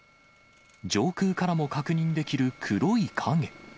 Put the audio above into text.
上空からも確認できる黒い影。